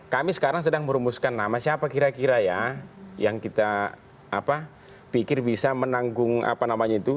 kami sekarang sedang merumuskan nama siapa kira kira ya yang kita pikir bisa menanggung apa namanya itu